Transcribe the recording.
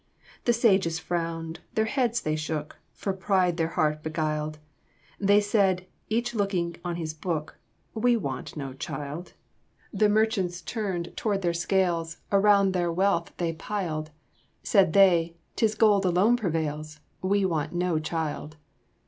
"The sages frowned, their heads they shook, For pride their heart beguiled. They said, each looking on his book, 'We want no Child.' "The merchants turned toward their scales, Around their wealth they piled; Said they, ''Tis gold alone prevails; 'We want no Child.